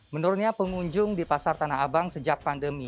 menurutnya pengunjung di pasar tanah abang sejak pandemi